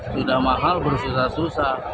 sudah mahal bersusah susah